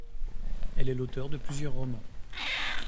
Elle est l'auteur de plusieurs romans.